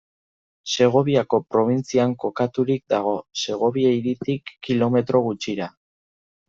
Segoviako probintzian kokaturik dago, Segovia hiritik kilometro gutxira.